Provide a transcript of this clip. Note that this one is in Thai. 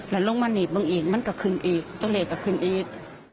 แล้วลงมาหนีบมึงอีกมันก็ขึ้นอีกตัวเลขก็ขึ้นอีก